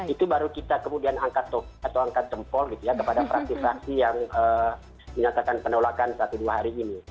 itu baru kita kemudian angkat atau angkat jempol gitu ya kepada fraksi fraksi yang menyatakan penolakan satu dua hari ini